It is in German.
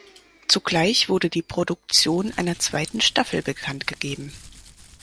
Zugleich wurde die Produktion einer zweiten Staffel bekanntgegeben.